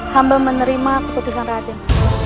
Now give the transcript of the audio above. hamba menerima keputusan raden